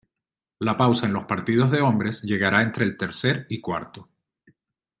La pausa en los partidos de hombres llegará entre el tercer y cuarto.